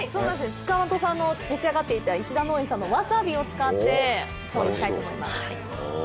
塚本さんの召し上がっていた石田農園さんのわさびを使って調理したいと思います。